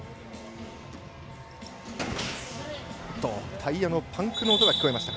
タイヤのパンクの音が聞こえました。